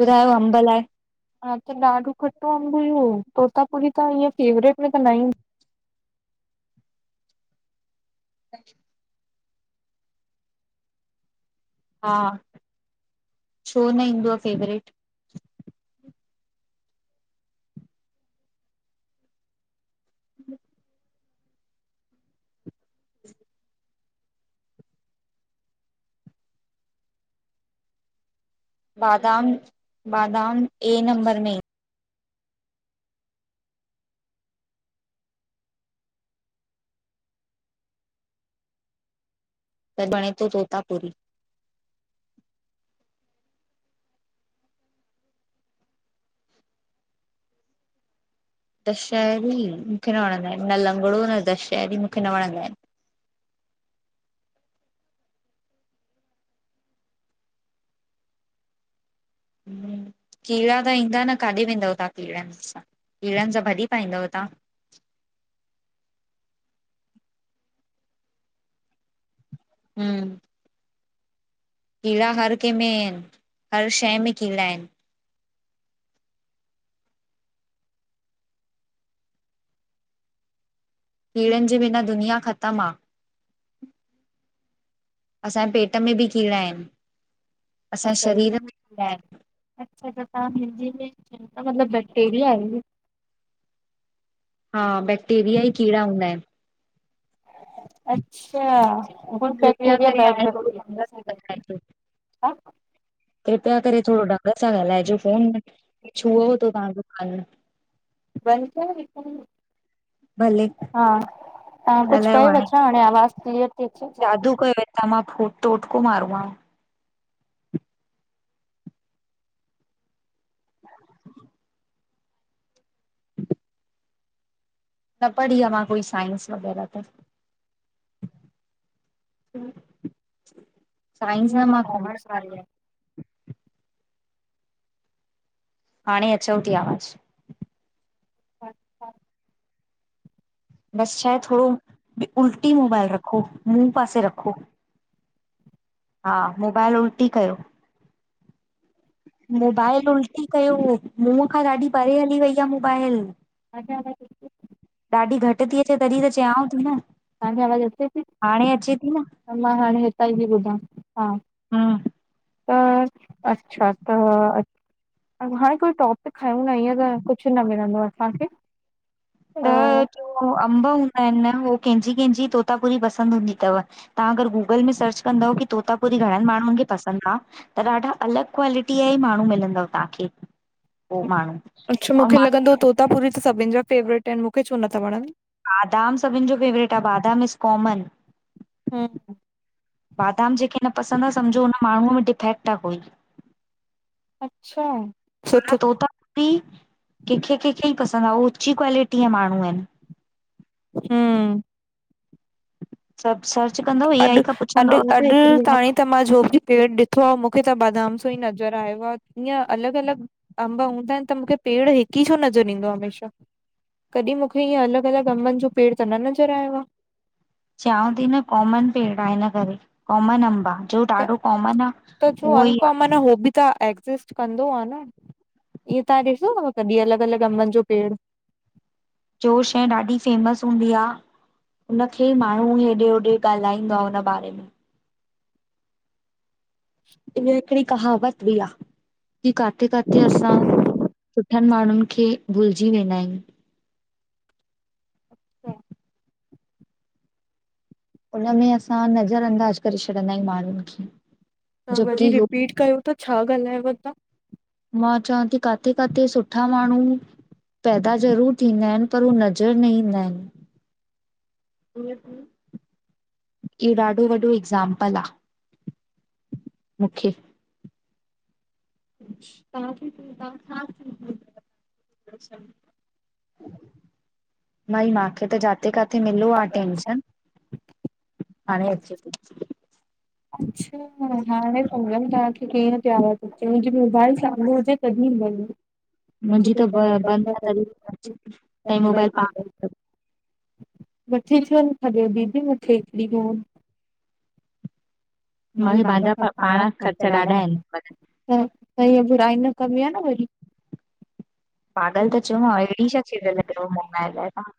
ॿुधायो अंब लाइ। हा त ॾाढो खटो अंब इ तोतापुरी त इअं फेवरेट में त न अ हा छो न ईंदव फेवरेट। बादाम बादाम ए नंबर में। त बणे तो जो ता पूरी। दशहरी मूंखे न वणंदा आहिन न लंगड़ो न दशहरी मूंखे न वणंदा आहिन। कीड़ा त ईंदा न काॾे वेंदव तव्हां कीड़नि सां। कीड़न सां भॼी पाईंदव तहां। हिम कीड़ा हर कंहिंमें आहिन हर शइ में कीड़ा आहिन। कीड़न जे बिना दुनिया ख़तम आ असांजे पेट में बि कीड़ा आहिन अ शरीर में अ्छा त तव्हां मुंहिंजी च था मतबु बैक्टेरिया आहे [unintelligible] हा बैक्टेरिया ई कीड़ा हूंदा आहिन अच्छा गुड बै्टरिया बेड बैटरिया। अचछ [unintelligible] कृपा करे थोरो ढंग सां ॻाल्हाइजो फफ़ोन कुु हुओ थो तव्हांज कान घंशा खण [unintelligible] भले हा तव्हां कुछ कयो छाो हाणे आवाज़ क्लीअर थी अचे त मां फोट टोटको मारो आहे [unintelligible] न पढ़ी आ मां कोई साइंस वग़ैरह त। साइंस न मां क कारय हाणे अचव थी आवाज़। अच्छा बस छा आहे थोरो उल्टी मोबाइल रखो मूंह पासे रखो। हा मोबाइल उल्टी कयो। मोबाइल उल्टी कयो मुहं खां ॾाढी परे हली वेई आहे मोबाइल। अचा ॾाढी घटि थी अचे तॾहिं त चयांव थी न। तव्हांजी आवाज़ अचे थी? हाणे अचे थी न त मां हाणे हितां ई थी ॿुधान। हा। हम्म त। अच्छा। त, हाणे कोई टॉप। खयूं न ईअं त कुछु न मिलंदो असांखे खे। त अंब हूंदा आहिनि न? हू कंहिंजी कंहिंजी तोतापुरी पसंदि हूंदी तव। तव्हां अगर गूगल में सर्च कंदव की तोतापुरी घणनि माण्हुनि खे पसंदि आ। त ॾाढा अलॻि क्वालिटीअ जा ई माण्हू मिलंदव तव्हांखे, पोइ माण्हू। अच्छा मूंखे लॻंदो तोतापुरी त सभिनि जा फेवरेट आहिनि मूंखे छो नथा वणनि। बादाम सभिनि जो फेवरेट आ, बादाम इज़ कॉमन। हम्। बादाम जहंखे न पसंदि आ सम्झो हुन माण्हूअ में डिफेक्ट आ कोई। अच्छा। सुठो ताेता पुड़ी कंहिंखे, कंहिंखे ई पसंदि आहे हु ऊची क्वालिटी जा माण्हू आहिनि। हम्। सभु सर्च कंदंम। अॼु, अॼु, अॼु ताई तबि मां जो बि पेड़ ॾिठो आ मूंखे त बादाम जाे ई नज़र आयो आ इअं अलॻि, अलॻि। अंब अलग हूंदा आहिनि त मूंखे पेड़ हिकु ई छो नज़र ईंदो आ हमेशा। कॾहिं मूंखे इअं अलगि, अलॻि अंबनि जो पेड़ त नज़र न आयो आ। चयवां थी न कॉमन पेड़ आ हिन करे कॉमन अंब आ जो ॾाढो। कॉमन आ त। जाे उहो अन ई कोमन आ हाे भी। त एक्ज़िस्ट कंदो आ न इअं तव्हां ॾिठो अथव कॾहिं अलॻि, अलॻि अंबनि जो पेड़? जो शइ ॾाढी फेमस हूंदी आ। हुनखे माण्हू हेॾे, होॾे ॻाल्हाईंदो आ हुन बारे में। इते हिकिड़ी कहावत बि आहे कि काथे काथे असां सुठनि माण्हुनि खे भुलिजी वेंदा आहियु। अच्छा [inaudible] हुनमें असां नज़र अंदाज़ करे छॾींदा आहियूं माण्हुनि खे। तव्हां वरी जोकी हू रिपीट कयो त छा ॻाल्हायव तव्हां। मां। चवां थी काथे, काथे सुठा माण्हू। पैदा ज़रूर थींदा आहिनि पर हू नज़र न ईंदा आहिनि। ईअं थी [inaudible] इहो, ॾाढो वॾो एगज़ाम्पल आ, मूंखे। तव्हांखे तव्हां [unintelligible] भाई माखे त जाथे काथे मिलो आ अटेंशन। हाणे अचे अच्छा हाणे सम्झमि तव्हांखे कीअं त आवाज़ अचे मुहिंजी मोबाइल चालू हुजे। तॾी मी। [unintelligible] मुंहिंजी त ब बंदि आहे तॾहिं बि अचे, ताईं मोबाइल पाण वठी छों नथा ॾियाे दीदी मूंखे हिकिरो। मूंखे पाण पंहिंजा पा पाण खरच ख़र्चा ढाडा ॾाढा आहिनि त, त इह बुराई न कबी आ न वरी। पागल त चयो मां अहिड़ी छा। [unintelligible] शथव मोमण लाइ तव्हां।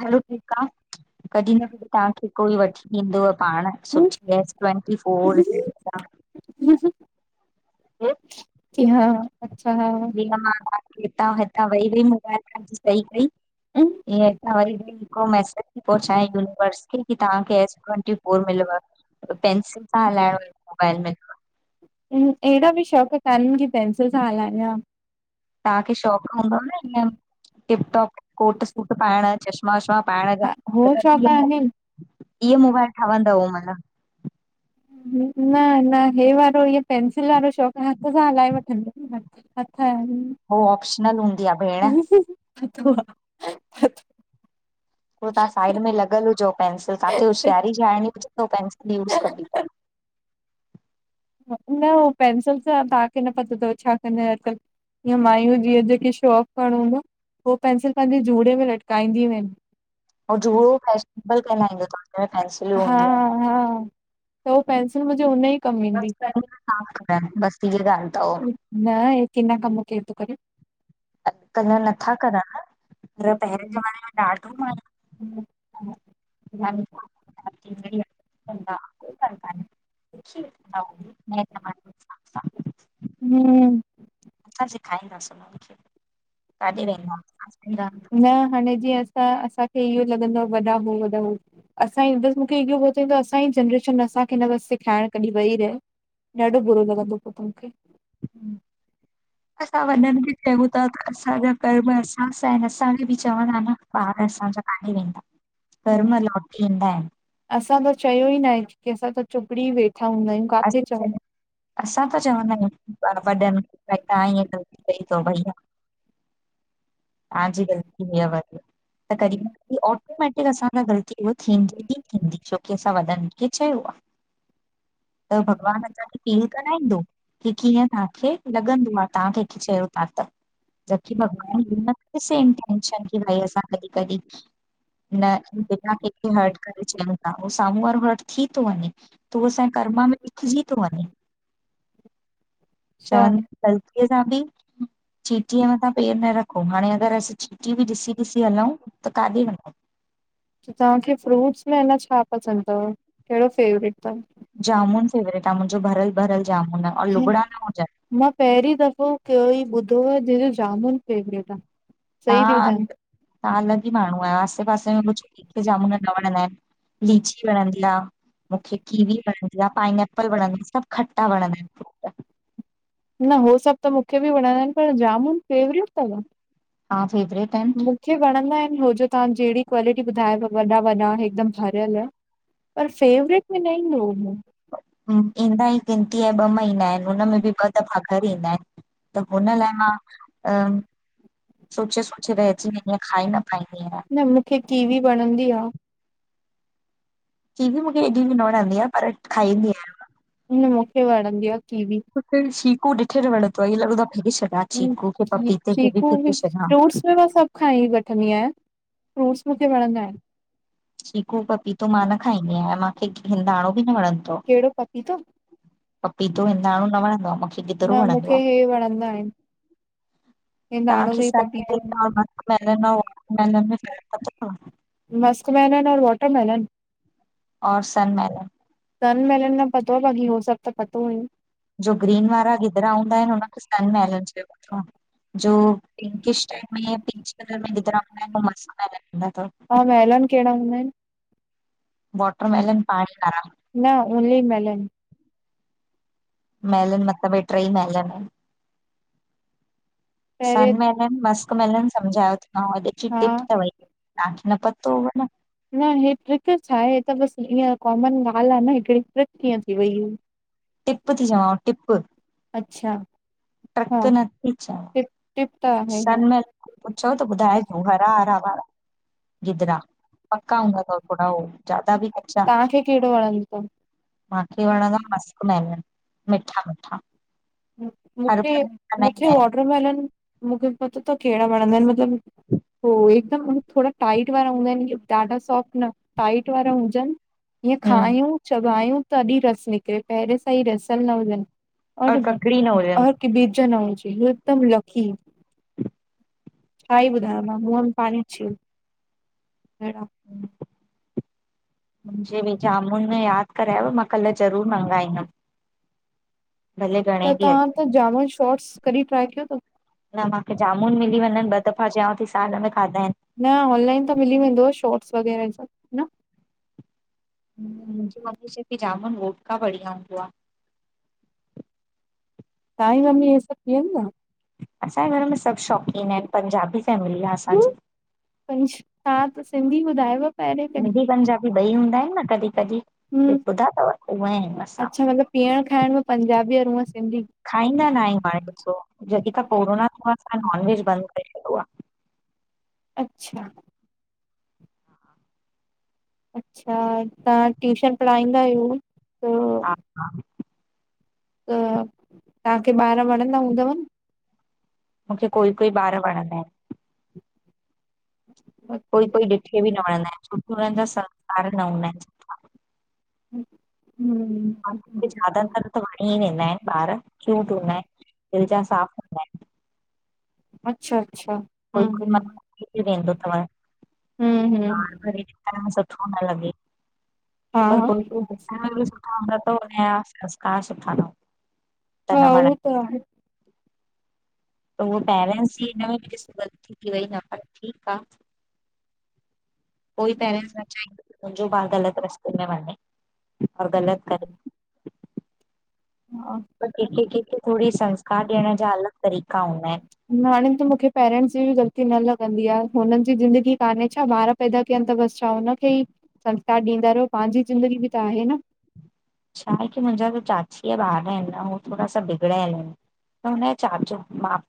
भल ठीकु आहे [unintelligible] क कॾहिं न तव्हांखे कोई वठी ॾींदव पाण सुठी एस ट्वेंटी फोर जीअं मां क [unintelligible] [unintelligible] अच्छा हा [inaudible] सही हितां हितां [unintelligible] वई हुई कई [unintelligible] [unintelligible] मिल आहे पेंंसिल ईअं असां वेही वेही हिकु मैसेज सां पियो मिले पेंसिल सां हलाइण [unintelligible] हलाइण मोबाइल म अहिड़ा बि शौक़ु कान आनि की पेंंसिल सां हलाइया तव्हांखे शौक़ कोन [unintelligible] त टिपटॉप कोट सूट पाइण, चश्मा वश्मा पाइण जा हो शौक़ आहिन। [unintelligible] इीअ मोबाइल ठहंदव माना न न हे वारो इहो पेंसिल वारो शौंक़ु न आ, हथ सां हलाए वठंदी हो ऑप्शनल हूंदी आहे भेण उहो हथ [unintelligible] ह [inaudible] पोइ तव्हां साइड में लॻल हुजो, पेंसिल काथे होशियारी झाड़णी हुजे त हू पेंसिल यूज़ कदीं न हो पेंसिल सां ताखें न पतो थव छा कंदा आहिनि अॼुकल्ह ईय मायूं जीअं जेके शौक करणो हूंदो आ पो पेंसिल पंहिंजे जूड़े में लटकाईंदियूं आहिनि। हो जूड़ो [unintelligible] कहलाइंदों थव फैंसी हा हा त हू पेंंसिल मुजे हुन ई बसि इहा ॻाल्हि अथव [unintelligible] न हेतरे मे कम केर थो करे अॼुकल्ह नथा करनि न, पर पहिरें जमाने में ॾाढो ह [inaudible] [unintelligible] हा [inaudible] [inaudible] सां हम्म असां सिखाईदासीं उन्हनि खे काॾे वेंदा [inaudible] हुआसीं। न हाणे जीअं असां असांखे इहो जीअ लॻंदो आ, वॾा हो वॾा हो असांजी बसि मूंखे इहो पियो थे, त असांजी जनरेशन असांखे हिन बस्ते खाइण कॾी वेही रहे ॾाढो बुरो लॻंदो पोइ त मूंखे असां वॾनि खे चऊ था त, असांजा कर्म असासा आहिनि असांखे बि चवंदा न ॿार असांजां काॾे वेंदा कर्म लोटी ईंदा आहिनि असां त चयो ई न आहे की असां त चुभड़ी वेठा हूंदा आहियूं काथे चऊं असां त चवंदा आहियूं वॾनि आ [inaudible] सही थव बड़िया ताजी [inaudible] त कॾहिं कॾहिं ऑटोमैटिक असां खां ग़लती उह थींदी ई थींदी छोकी असां वॾनि खे चयो आ, त भॻवानु असांखे फील कराईंदों की कीअं तव्हांखे लॻंदों आ, तव्हां कंहिंखे चयो था त, जबकी भॻवान [unintelligible] भई असां कॾी कॾी [unintelligible] न जेकर कंहिंखे हर्ट करे [unintelligible] उहो साम्हूं वारो हर्ट थी थो वञे त हू असांजे करमा में लिखजी थो वञे अच्छा चवन था ग़लतीअ सां बि चीटींअ मथां पेर न रख हाणे अगरि असां चीटी भी ॾिसी ॾिसी हलउ, त काॾे वनु तव्हांखे फ्रूट्स में एन छा पसंदि थव, कहिड़ो फेवरेट थव? जामुन फेवरेट आ मुंहिंजो, भरियलु भरियलु जामुन आ, और अथव लुॻिड़ा न हुजनि मां पहिरीं दफ़ो कयो ई ॿुधो आ जंहिंजो जामुन फेवरेट आ। हा, तवां अलॻि ई माण्हू आहियो। आसे पासे में कुछु जामुन न वणंदा आहिनि, लीची वणंदी आ, मुखे कीवी वणंदी आ, पाईनेपल वणंदी आ सभु खटा वणंदा आहिनि फ्रूट। न हू सभु त मुखे बि वणंदा इन, पर जामून फेवरेट तव? हा फेवरेट आहिनि। मुखे वणंदा इन, होजो तव्हां जहिड़ी क्वालिटी ॿुधायव वॾा वॾा हिकदमि भरियल पर फेवरेट! में न ईंदो हो मूं। हूं, ईंदा ई गिनती या ॿ महीना इन। हुनमें बि ॿ दफ़ा घर ईंदा इन, त हुन लाइ मां सोचे सोचे रहिजी वेंदी आं खाई न पाईंदी आहियां। मुखे कीवी वणंदी आ। किवी मुखे एॾी बि न वणंदी आ पर खाईंदी आहियां न मूंखे वणंदी आ कीवी। त छीकू ॾिठे न वणंदो आ, ईअ लॻोदो आ फेके छॾियां छकू खे पपीते खे बि फेके छॾियां। खांई वठंदी आहियां, फ्रूट्स मुखे वणंदा आहिनि। चीकू पपीतो मां न खाईंदी आयां, माखे हिंदाणो बि न वणंदो कहिड़ो पपीतो पपीतो हिंदाणो न वणंदो आ मखे। न मुखे हे वणंदा इन। तव्हांखे सन पपीतो मैलन, मस्क मैलन अऊं वाटर मैलन में पतो कोने? मस्क मैनन ओर वॉटरमैेलन। और सन मैलन। सन मेलन न पतो, बाक़ी हो सभु त पतो हुयुनि। जो ग्रीन वारा गिदिरा हूंदा इन हुनखे सन मैलन चइबो तव। जो पिक टाइप में पिंच कलर में गिदिरा हूदा आहे न वे मस्क मैलन हूंदा तव। वैलन कहिड़ा हूंदा इन। वॉटर मैलन पाणी वारा। न ओनली मैलन। मैलन मतिलब हे ट्रे ई मैलन इन। सन पहिरें मैलन मास्क मैलन सम्झायो ती मांव, अॼु जी हा टिप तव हे। ताखे न पतो हुव न। न हे ट्रप छा आहे त बस ईअं कॉमन ॻाल्हि आ न हिकड़ी, ट्रप कीअं थी वई। टिप थी चवांव टिप अच्छा। ट्रक हा नथी चवां, टिप टिप त आहे हा। सनमैलन पुछो त ॿुधाए जो, हल। [unintelligible] गिदरा पंका हूंदा तव थोरा ओ ज्यादा बि कच्चा न। तव्हांखे कहिड़ो वणंदो तव? माखे वणंदा मस्क मैलन मिठा मिठा। हर मुखे, बार ईंदा मुखे आहिनि। वॉटरमेलन। मुखे पतो तव कहिड़ा वणंदा इन, मतिलब हो हिकदमि थोरा टाईट वारा हूंदा इन कि ॾाढा सॉफ्ट न टाइट वारा हुजन ईअं हम खायूं चबायूं तडी रस निकरे पहिरें सां ई रसियल न हुजन। प्री न हुजनि। कि ॿीज न हुजे, हिकदम लसी, खाई बुधायो। मुहं में पाणी अची वयो, अहिड़ो। मुझे बि जामुन याद करायव, मां कल ज़रूर मंगाईंदमि भले त घणे बि अघ तव्हां त जामा शॉट्स कॾहिं ट्राए कयो तव? न माखे जामुन मिली वञनि। ॿ दफ़ा चयाव थी साल में खाधा आहिनि। न ऑनलाइन त मिली वेंदो शॉर्ट्स वग़ैरह हे सब न? शये की जामुन वोटका बढ़िया हुदो आ। तव्हजी मम्मी हे सभु पियंदी आ? असांजे घर में सभु शौक़ीन आहिन। पंजाबी फैमिली आ असांजी। पंजाब त सिंधी ॿुधायव? पहिरें सिंधी कॾहिं पंजाबी बि ॿई हूंदा आहिन। न कॾहिं, कॾहिं हम्म ॿुधा तव उहे ऐ मां। अच्छा पीअण खाइण में पंजाबी ऐं हूअं सिंधी। खाईंदा न आहियूं हाणे जॾहिं खां कोरोना थियो असां नॉन वेज बंद करे छॾियो आ। अच्छा? अच्छा। तव्हां ट्यूशन पढ़ाईंदा आहियोन त? हा, हा। त, तव्हांखे ॿार वणंदा हूंदव न। मूंखे कोई, कोई ॿार वणंदा आहिन। कोई, कोई ॾिठे बि न वणंदा आहिन छोकी हुननि जा संस्कार न हूंदा आहिन। हम्म। ज्दातर त वणी वेंदा आहिन ॿार क्यूंट हुंदा आहिन दिल जा साफ़। अच्छा, अच्छा। कोई हम्म [unintelligible] वेंदो तव। हम्म सब हम्म सुठो तो लंॻे। हा, हा। ह। न त हुनजा संस्कार सुठा न मिलन। [unintelligible] [inaudible] त उह पेरेंट्स ई हिन में ग थी वई न पर ठीकु आहे। कोई पहिरेंट न चाहींदो मुंहिंजो बार ग़लति रस्ते में वञे। और गलत करे। हा कंहिंखे, कंहिंखे थोरी संस्कार ॾियण जा अलॻि, तरीक़ा हूंदा आहिनि। हाणे त मूंखे पेरेंट्स जी बि ग़लती न लॻंदी आ हुननि जी ज़िंदगी कान्हे छा ॿार। पैदा कयनि त बसि छा हुनखे ई संस्कार ॾींदा रहो पंहिंजी ज़िंदगी बि त आहे न। छा आहे की मुंहिंजा चाचीअ ज ॿार आहिनि न हूहे थोरा सां बिगड़ायल आहिनि। त हुनजो चाचो माँ।